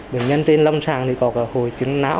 bệnh nhân trên lâm tràng thì có cả hồi chứng nã